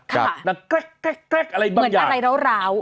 ค่ะมันแก๊กอะไรบ้างอย่างเหมือนอะไรราว